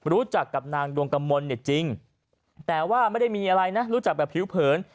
รู้จักกับนางดวงกำมลเนี่ยจริงแต่ว่าไม่ได้มีอะไรนะรู้จักแบบผิวเผิน